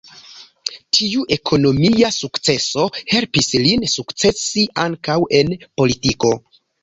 Tiu ekonomia sukceso helpis lin sukcesi ankaŭ en politiko.